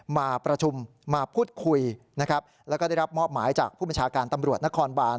มาประชุมมาพูดคุยนะครับแล้วก็ได้รับมอบหมายจากผู้บัญชาการตำรวจนครบาน